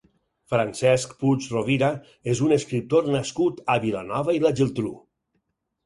Francesc Puig Rovira és un escriptor nascut a Vilanova i la Geltrú.